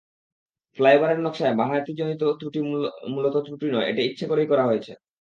ফ্লাইওভারের নকশায় বাঁহাতিজনিত ত্রুটি মূলত ত্রুটি নয়, এটা ইচ্ছা করেই করা হয়েছে।